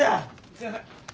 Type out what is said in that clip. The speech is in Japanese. すみません！